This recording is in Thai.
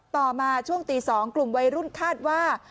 ต่อมาช่วงตี๒กลุ่มวัยรุ่นคาดว่า